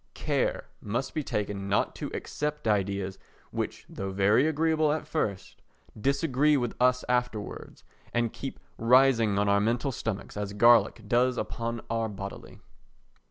Care must be taken not to accept ideas which though very agreeable at first disagree with us afterwards, and keep rising on our mental stomachs, as garlic does upon our bodily.